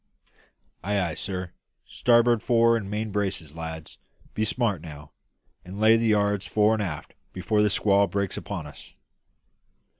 "Ay, ay, sir! Starboard fore and main braces, lads. Be smart, now, and lay the yards fore and aft before the squall breaks upon us!"